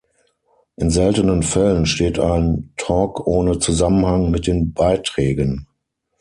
In seltenen Fällen steht ein Talk ohne Zusammenhang mit den Beiträgen.